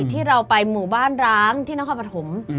ที่เราไปหมู่บ้านร้างที่นักความประถม